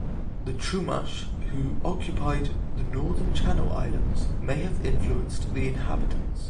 The Chumash, who occupied the northern Channel Islands, may have influenced the inhabitants.